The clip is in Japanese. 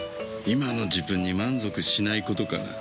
今の自分に満足しないことかな。